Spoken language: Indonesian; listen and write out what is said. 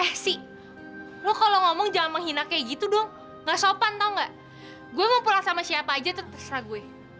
eh sih lo kalau ngomong jangan menghina kayak gitu dong gak sopan tau gak gue mau pulang sama siapa aja tuh terserah gue